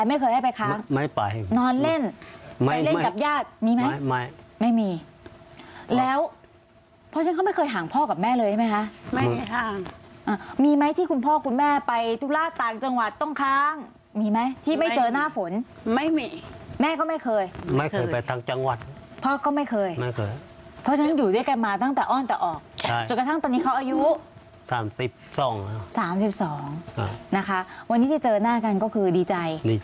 มีไหมไม่มีแล้วพ่อฉันก็ไม่เคยห่างพ่อกับแม่เลยใช่ไหมคะมีไหมที่คุณพ่อคุณแม่ไปตุลาดต่างจังหวัดต้องค้างมีไหมที่ไม่เจอหน้าฝนไม่มีแม่ก็ไม่เคยไม่เคยไปต่างจังหวัดพ่อก็ไม่เคยเพราะฉะนั้นอยู่ด้วยกันมาตั้งแต่อ้อนแต่ออกจนกระทั่งตอนนี้เขาอายุ๓๒นะคะวันนี้ที่เจอหน้ากันก็คือดีใจด